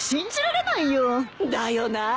だよなぁ。